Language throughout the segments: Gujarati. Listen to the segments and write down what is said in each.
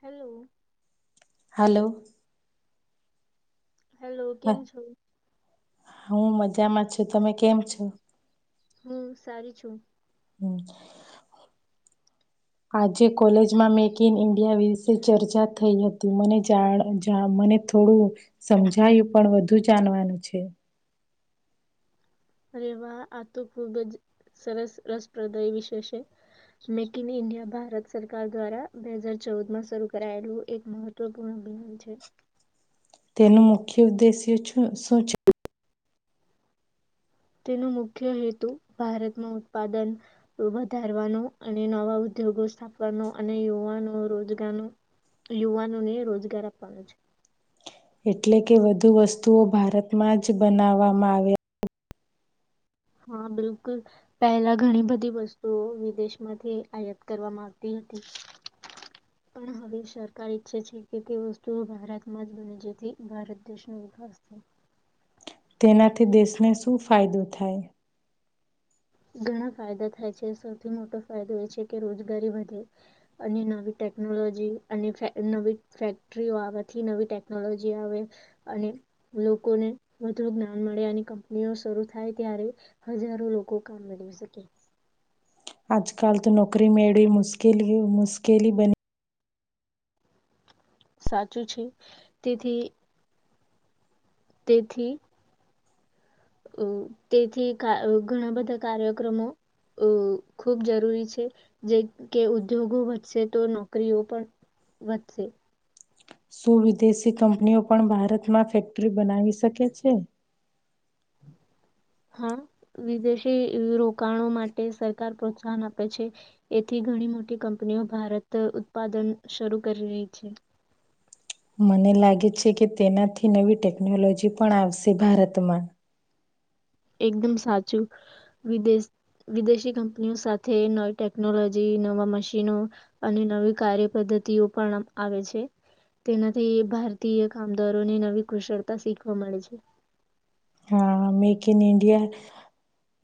હેલો. હાલો. હેલો, કેમ છો? હું મજામાં છું. તમે કેમ છે? હું સારી છું. આજે કોલેજમાં મેક ઇન ઈન્ડિયા વિશે ચર્ચા થઈ હતી મને જાણ જા મને થોડું સમજાયું પણ વધુ જાણવાનું છે. અરે વા, આ તો ખૂબ જ સરસ રસપ્રદય વિશે છે. મેક ઇન ઇન્ડિયા ભારત સરકાર દ્વારા બે હજાર ચૌદમાં શરૂ કરાયેલું એક મહત્વપૂર્ણ બિનાન છે. તેનો મુખ્ય ઉદ્દેશ્ય છું શું છે [unintelligible] એટલે કે વધુ વસ્તુઓ ભારતમાં. હા, બિલકુલ પહેલા ઘણી બધી વસ્તુઓ વિદેશમાંથી આયાત કરવામાં આવતી હતી. પણ હવે સરકાર ઈચ્છે છે કે તે વસ્તુઓ ભારતમાં જ બને, જેથી ભારત દેશનો વિકાસ છે. તેનાથી દેશને શું ફાયદો થાય? ઘણા ફાયદા થાય છે. સૌથી મોટો ફાયદો એ છે કે રોજગારી વધે. અને નવી ટેકનોલોજી અને નવી ફેક્ટરીઓ આવવાથી નવી ટેકનોલોજી આવે અને લોકોને વધુ જ્ઞાન મળે. અને કંપનીઓ શરૂ થાય ત્યારે હજારો લોકો. [unintelligible] આજકાલ તો નોકરી મેળવી મુકેલ મુશ્કેલી બની. સાચું છે તેથી. તેથી. અ તેથી ઘણા બધા કાર્યક્રમો અ ખૂબ જરૂરી છે. જે કે ઉદ્યોગો વધશે તો નોકરીઓ પણ વધશે. શું વિદેશી કંપનીઓ પણ ભારતમાં ફેક્ટરી બનાવી શકે છે? હા, વિદેશી રોકાણો માટે સરકાર પ્રોત્સાહન આપે છે. એથી ઘણી મોટી કંપનીઓ ભારત ઉત્પાદન શરૂ કરી રહી છે. મને લાગે છે કે તેનાથી નવી ટેકનોલોજી પણ આવશે ભારતમાં. એકદમ સાચું! વિદેશ વિદેશી કંપનીઓ સાથે નવી ટેકનોલોજી નવા મશીનો અને નવી કાર્ય પદ્ધતિઓ પણ આવે છે. તેનાથી ભારતીય કામદારોને નવી કુશળતા શીખવા મળે છે. હા, make in India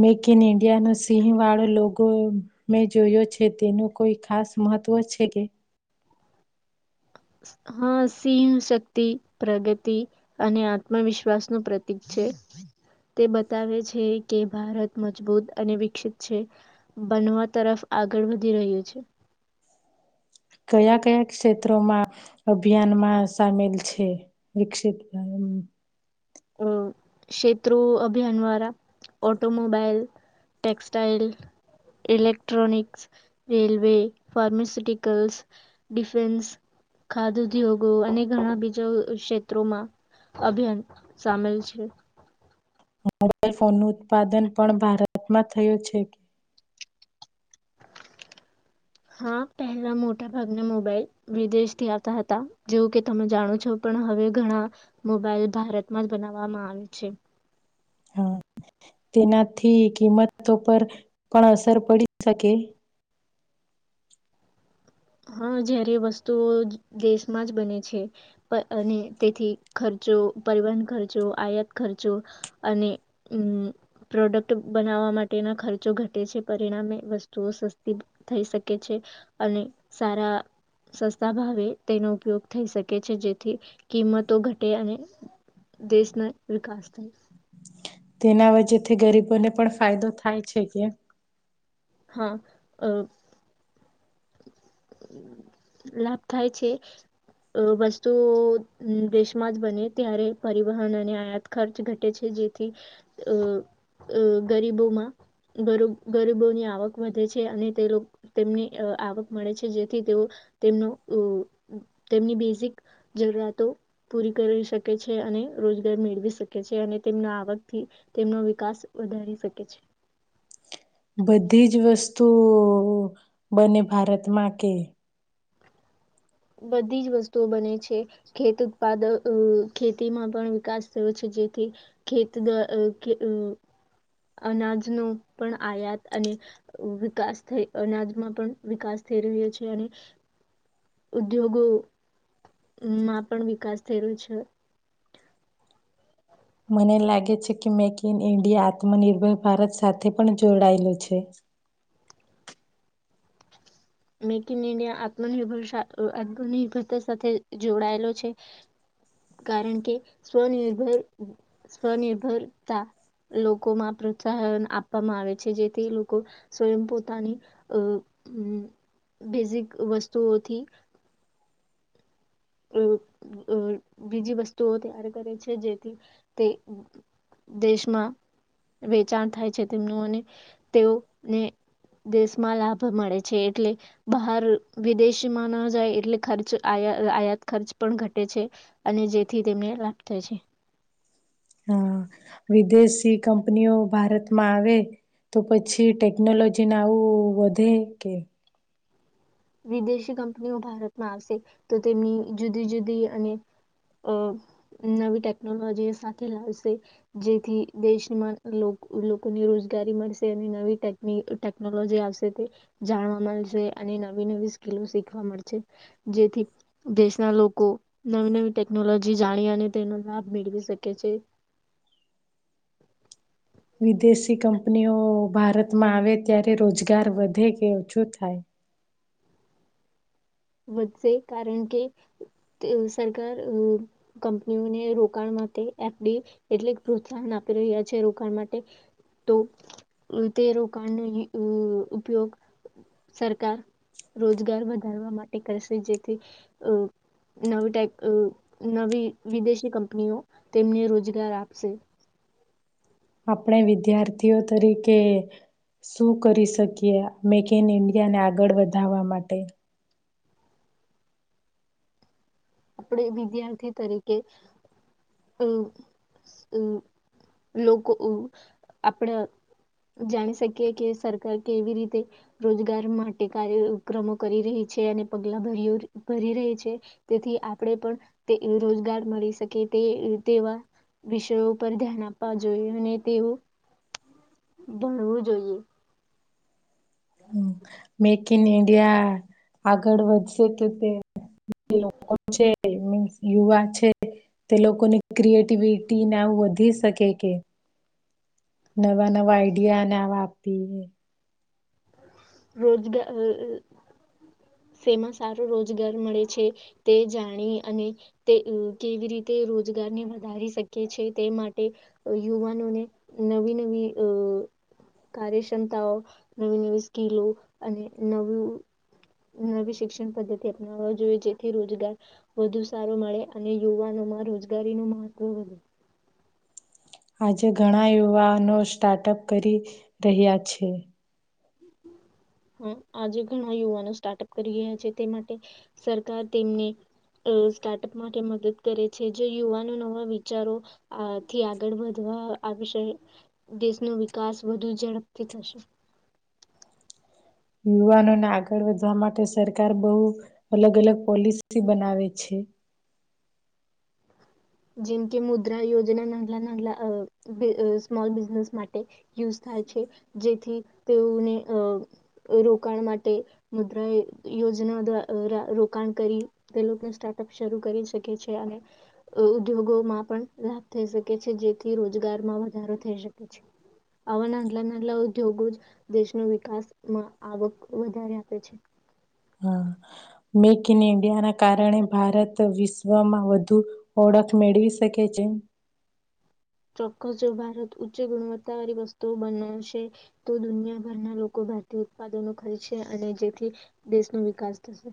make in ઇન્ડિયાનો સિંહ વાળો લોગો મેં જોયો છે. તેનું કોઈ ખાસ મહત્વ છે કે. હા, સિંહશક્તિ પ્રગતિ અને આત્મવિશ્વાસનું પ્રતીક છે. તે બતાવે છે કે ભારત મજબૂત અને વિકસિત છે, બનવા તરફ આગળ વધી રહ્યું છે. કયા કયા ક્ષેત્રોમાં અભિયાનમાં સામેલ છે વિકસિત? અ ક્ષેત્રો અભિયાન વાળા automobile textile, electronics, railway, pharmaceuticals, defence, ખાદ ઉદ્યોગો અને ઘણા બીજા ક્ષેત્રોમાં અભિયાન. સામેલ છે. મોબાઈલ ફોનનું ઉત્પાદન પણ ભારતમાં થયું છે કે. હા, પહેલા મોટા ભાગના મોબાઈલ વિદેશથી આવતા હતા, જેવું કે તમે જાણો છો. પણ હવે ઘણા મોબાઈલ ભારતમાં જ બનાવવામાં આવે છે. હા, તેનાથી કિંમતો પર પણ અસર પડી શકે. હા, જ્યારે વસ્તુઓ દેશમાં જ બને છે. અને તેથી ખર્ચો પરિવહન ખર્ચો, આયાત ખર્ચો અને પ્રોડક્ટ બનાવવા માટેના ખર્ચો ઘટે છે. પરિણામે વસ્તુઓ સસ્તી થઈ શકે છે અને. સારા સસ્તા ભાવે તેનો ઉપયોગ થઈ શકે છે. જેથી કિંમતો ઘટે અને દેશનો વિકાસ થાય. તેના વચ્ચેથી ગરીબોને પણ ફાયદો થાય છે કે. હા, અ લાભ થાય છે. વસ્તુઓ દેશમાં જ બને ત્યારે પરિવહન અને આયાત ખર્ચ ઘટે છે. જેથી અ ગરીબોમાં ગરીબોની. આવક વધે છે. અને તે તેમની આવક મળે છે. જેથી તેઓ તેમનો તેમની બેઝિક જરૂરિયાતો પૂરી કરી શકે છે. અને રોજગાર મેળવી શકે છે. અને તેમના આવકથી તેમનો વિકાસ વધારી શકે છે. બધી જ વસ્તુ બને ભારતમાં કે. બધી જ વસ્તુઓ બને છે. ખેત ઉત્પાદક ખેતીમાં પણ વિકાસ થયો છે. જેથી ખેત અનાજનો પણ આયાત અને વિકાસ થ અનાજમાં પણ વિકાસ થઈ રહ્યો છે. અને ઉદ્યોગો માં પણ વિકાસ થયો છે. મને લાગે છે કે, મેક ઇન ઇન્ડિયા આત્મનિર્ભર ભારત સાથે પણ જોડાયેલું છે. મેક ઇન ઇન્ડિયા આત્મનિર્ભર આત્મનિર્ભરતા સાથે જોડાયેલો છે. કારણ કે સ્વનિર્ભર સ્વનિર્ભરતા લોકોમાં પ્રોત્સાહન આપવામાં આવે છે. જેથી લોકો સ્વયં પોતાની અ. બેઝિક વસ્તુઓથી. બીજી વસ્તુઓ તૈયાર કરે છે. જેથી તે દેશમાં વેચાણ થાય છે. તેમનું અને તેઓને દેશમાં લાભ મળે છે. એટલે બહાર વિદેશમાં ન જાય એટલે ખર્ચયાત. ખર્ચ પણ ઘટે છે. અને જેથી તેમને લાભ થાય છે. હા, વિદેશી કંપનીઓ ભારતમાં આવે, તો પછી ટેકનોલોજી ના આવું વધે કે. વિદેશી કંપનીઓ ભારતમાં આવશે તો તેમની જુદી જુદી અને અ નવી ટેકનોલોજી સાથે લાવશે. જેથી દેશમાં લોકોને રોજગારી મળશે. અને નવીક ટેકનોલોજી આવશે તે જાણવા મળશે અને. નવી નવી સ્કીલ શીખવા મળશે. જેથી દેશના લોકો નવી નવી ટેકનોલોજી જાણી અને તેનો લાભ મેળવી શકે છે. વિદેશી કંપનીઓ ભારતમાં આવે ત્યારે રોજગાર વધે કે ઓછું થાય? વધશે કારણ કે, સરકાર કંપનીઓને રોકાણ માટે એફડી એટલે પ્રોત્સાહન આપી રહ્યા છે. રોકાણ માટે તો તે રોકાણનો ઉપયોગ સરકાર રોજગાર વધારવા માટે. કરશે જેથી અ નવી નવી વિદેશી કંપનીઓ તેમને રોજગાર આપશે. આપણે વિદ્યાર્થીઓ તરીકે શું કરી શકીએ, મેક ઇન ઇન્ડિયાને આગળ વધારવા માટે? આપણે વિદ્યાર્થી તરીકે અ લોકો આપડા જાણી શકીએ કે, સરકાર કેવી રીતે રોજગાર માટે કાર્યક્રમો કરી રહી છે. અને પગલા ભર્યો ભરી રહી છે તેથી. આપણે પણ તે રોજગાર મળી શકે. તે તેવા વિષયો પર ધ્યાન આપવા જોઈએ. અને તેવ ભણવું જોઈએ. [inaudible] હમ મેક ઇન ઇન્ડિયા આગળ વધશે કે તે લોકો છે મીન્ યુવા છે. તે લોકોની ક્રિએટિવિટીને આવ વધી શકે કે, નવા નવા આઈડિયાને આપી. રોજગાર તેમાં સારો રોજગાર મળે છે. તે જાણી અને તે કેવી રીતે રોજગારને વધારી શકે છે તે માટે યુવાનોને નવી નવી અ કાર્યક્ષમતાઓ નવી નવી. સ્કીલો અને નવી નવી શિક્ષણ પદ્ધતિ અપનાવવા જોઈએ. જેથી રોજગાર વધુ સારો મળે અને યુવાનો માં રોજગારી ન મહત્વ વધે. આજે ઘણા યુવાનો સ્ટાર્ટઅપ કરી રહ્યા છે. હ, આજે ઘણા યુવાનો સ્ટાર્ટઅપ કરી રહ્યા છે. તે માટે સરકાર તેમને સ્ટાર્ટઅપ માટે મદદ કરે છે. જે યુવાનો નવા વિચારોથી આગળ વધવા આવશે, દેશનો વિકાસ વધુ ઝડપથી થશે. યુવાનોને આગળ વધવા માટે સરકાર બહુ અલગ અલગ પોલિસી બનાવે છે જેમ કે મુદ્રા યોજના નાલા નાલા સ્મોલ બિઝનેસ માટે યુઝ થાય છે જેથી તેઓને અ રોકાણ માટે મુદ્રા યોજના દ્વા રોકાણ કરી તે લોકોને સ્ટાર્ટઅપ શરૂ કરી શકે છે અને ઉદ્યોગોમાં પણ લાભ થઈ શકે છે જેથી રોજગારમાં વધારો થઈ શકે છે આવા નાટલા નાટલા ઉદ્યોગો જ દેશનો વિકાસમાં આવક વધારે આપે છે હા મેક ઇન ઇન્ડિયા ના કારણે ભારત વિશ્વમાં વધુ ઓળખ મેળવી શકે છે ચોક્કસ જો ભારત ઉચ્ચ ગુણવત્તાવાળી વસ્તુઓ બનાવશે તો દુનિયાભરના લોકો ભારતીય ઉત્પાદનો ખરીચશે અને જેથી દેશનો વિકાસ થશે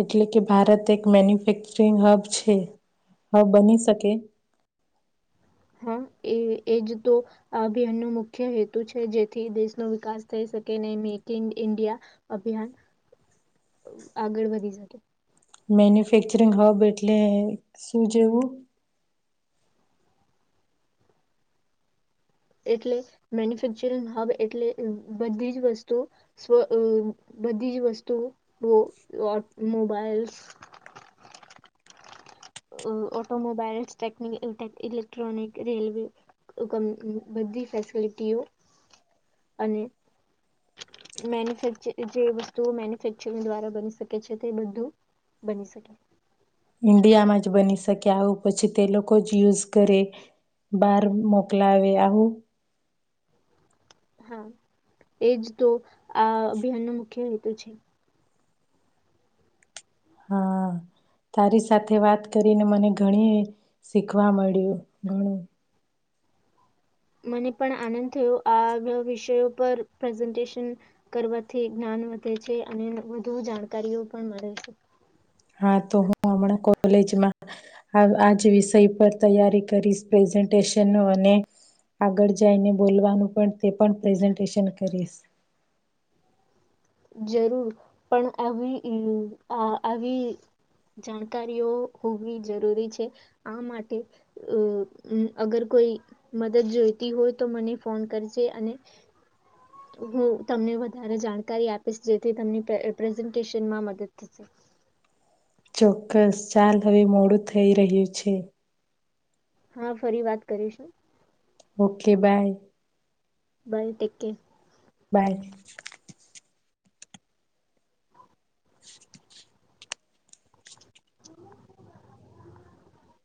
એટલે કે ભારત એક મેન્યુફેક્ચરિંગ હબ છે હબ બની શકે હા એ એજ તો આ અભિયાન ન મુખ્ય હેતુ છે જેથી દેશનો વિકાસ થઈ શકે અને મેક ઇન ઇન્ડિયા અભિયાન આગળ વધી શકે મેન્યુફેક્ચરિંગ હબ એટલે શું જેવું એટલે મેન્યુફેક્ચરિંગ હબ એટલે બધી જ વસ્તુ બધી જ વસ્તુ mobiles automobile tech electronic railway બધી ફેસિલિટીઓ અને મેન્યુેચ જે વસ્તુઓ મેન્યુફેક્ચરિંગ દ્વારા બની શકે છે તે બધું બની શકે ઈન્ડિયામાં જ બની શકે આવું પછી તે લોકો જ યુઝ કરે બહાર મોકલાવે આવું હા એજ તો આ અભિયાનનોો મુખ્ય હેતુ છે હા તારી સાથે વાત કરીને મને ઘણી શીખવા મળ્યું ઘણું મને પણ આનંદ થયો આ વિષયો પર પ્રેઝન્ટેશન કરવાથી જ્ઞાન વધે છે અને વધુ જાણકારીઓ પણ મળે છે હા તો હું હમણાં કોલેજમાં આજ વિષય પર તૈયારી કરીશ પ્રેઝન્ટેશન ન અને આગળ જઈને બોલવાનું પણ તે પણ પ્રેઝન્ટેશન કરીશ જરૂર પણ આવી આવી જાણકારીઓ હોવી જરૂરી છે આ માટે અ અગર કોઈ મદદ જોઈતી હોય તો મને ફોન કરજે અને હું તમને વધારે જાણકારી આપીશ જેથી તમને પ્રેઝન્ટેશનમાં મદદ થશે ચોક્કસ ચાલ હવે મોડું થઈ રહ્યું છે હા ફરી વાત કરીશું ઓકે બાય બઈ ટટેકે બાય [inaudible]